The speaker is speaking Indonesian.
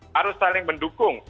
harus saling mendukung